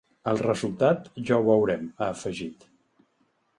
“El resultat ja ho veurem”, ha afegit.